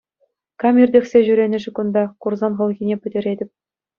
Кам иртӗхсе ҫӳренӗ-ши кунта, курсан хӑлхине пӗтӗретӗп.